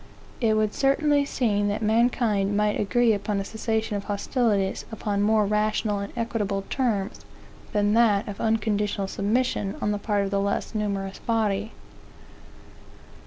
It would certainly seem that mankind might agree upon a cessation of hostilities, upon more rational and equitable terms than that of unconditional submission on the part of the less numerous body.